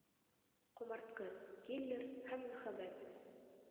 ҠОМАРТҠЫ, КИЛЛЕР ҺӘМ МӨХӘББӘТ